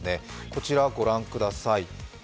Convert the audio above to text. こちらご覧ください。